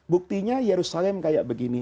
buktinya yerusalem seperti ini